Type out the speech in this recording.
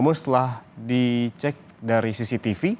namun setelah dicek dari cctv